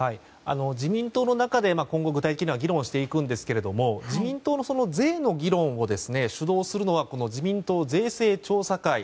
自民党の中で今後具体的には議論していくんですが自民党の税の議論を主導するのは自民党税制調査会。